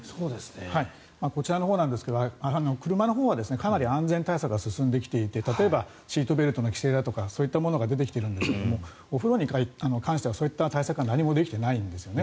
こちらのほうですが車のほうはかなり安全対策が進んできていて例えばシートベルトの規制だとかそういったものが出てきているんですがお風呂に関してはそういった対策が何もできていないんですね。